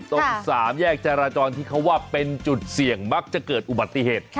ตรง๓แยกจราจรที่เขาว่าเป็นจุดเสี่ยงมักจะเกิดอุบัติเหตุ